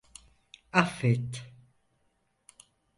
Affet.